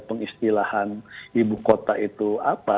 pengistilahan ibu kota itu apa